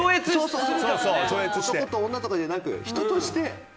男とか女とかではなく人として。